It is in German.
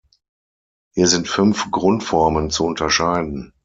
Hier sind fünf Grundformen zu unterscheiden.